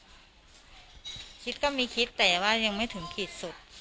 คิดก็มีคิดแต่ว่ายังไม่ถึงขีดสุด